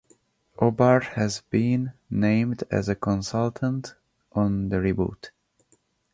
O'Barr has been named as a consultant on the reboot.